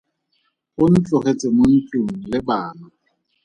O ntlogetse mo ntlong le bana.